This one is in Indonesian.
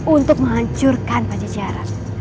untuk menghancurkan pancasila